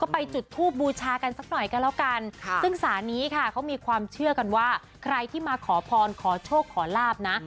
ไปจุดทูบบูชากันสักหน่อยก็แล้วกันซึ่งศาลนี้ค่ะเขามีความเชื่อกันว่าใครที่มาขอพรขอโชคขอลาบนะ